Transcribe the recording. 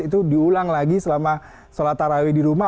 itu diulang lagi selama sholat tarawih di rumah